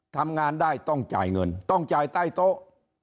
ทำงานได้ต้องจ่ายเงินต้องจ่ายใต้โต๊ะ